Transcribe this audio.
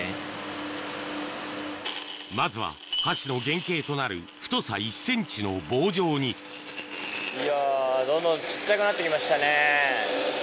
まずは箸の原型となる太さ１ｃｍの棒状にいやどんどん小っちゃくなって来ましたね。